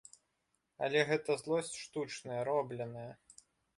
Але гэта злосць штучная, робленая.